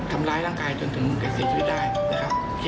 ทำร้ายร่างกายจนถึงกับเสียชีวิตได้นะครับ